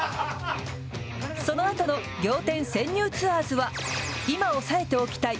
そのあとの「仰天☆潜入ツアーズ！」は今押さえておきたい！